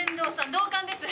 同感です！